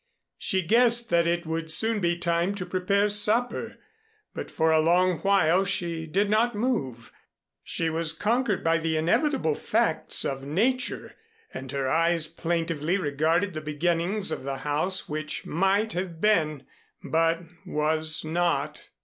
She guessed that it would soon be time to prepare supper, but for a long while she did not move. She was conquered by the inevitable facts of nature and her eyes plaintively regarded the beginnings of the house which might have been, but was not.